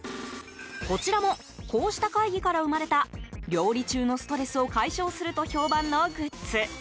こちらもこうした会議から生まれた料理中のストレスを解消すると評判のグッズ。